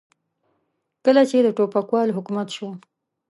کله چې د ټوپکوالو حکومت شو.